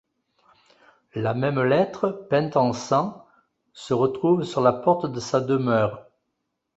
La même lettre, peinte en sang, se retrouve sur la porte de sa demeure.